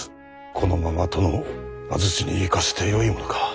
このまま殿を安土に行かせてよいものか。